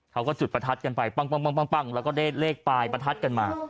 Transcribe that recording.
เขาก็จุดประทัดกันไปปั้งแล้วก็ได้เลขปลายประทัดกันมา